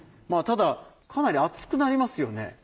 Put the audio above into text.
ただかなり熱くなりますよね？